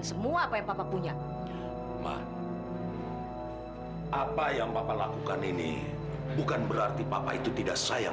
sampai jumpa di video selanjutnya